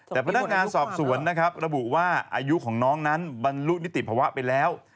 แต่พนักงานสอบสวนนะครับระบุว่าอายุของน้องนั้นบรรลุนิติภาวะไปแล้ว